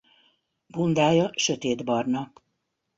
Bundája sötétbarna.